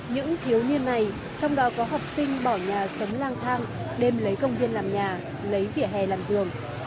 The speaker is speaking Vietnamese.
những thiếu niên này trong đó có học sinh bỏ nhà sống lang thang đêm lấy công viên làm nhà lấy làm giường